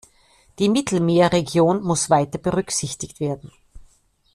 Die Mittelmeerregion muss weiter berücksichtigt werden.